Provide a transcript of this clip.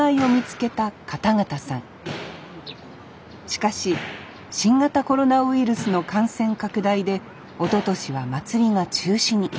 しかし新型コロナウイルスの感染拡大でおととしはまつりが中止に。